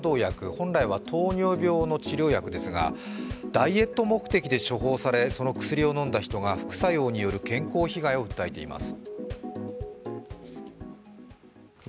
本来は糖尿病の治療薬ですが、ダイエット目的で処方され、その薬を飲んだ人が副作用による健康被害を訴えています。